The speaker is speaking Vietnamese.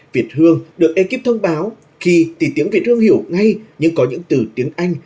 việt hương được ekip thông báo khi tìm tiếng việt hương hiểu ngay nhưng có những từ tiếng anh